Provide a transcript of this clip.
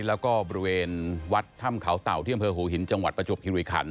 แล้วก็บริเวณวัดถ้ำเขาเต่าที่อำเภอหูหินจังหวัดประจวบคิริขัน